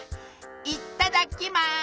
いただきます！